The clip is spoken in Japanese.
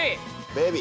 ベビ。